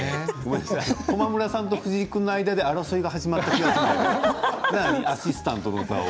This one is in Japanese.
駒村さんと藤井君の間で争いが始まっているアシスタントの。